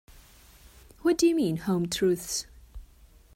What do you mean, 'home truths'?